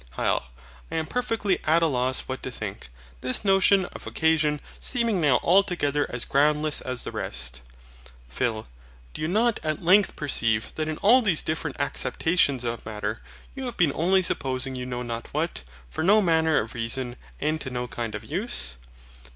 HYL. I am perfectly at a loss what to think, this notion of OCCASION seeming now altogether as groundless as the rest. PHIL. Do you not at length perceive that in all these different acceptations of MATTER, you have been only supposing you know not what, for no manner of reason, and to no kind of use?